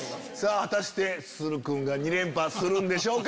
果たしてＳＵＳＵＲＵ君が２連覇するんでしょうか？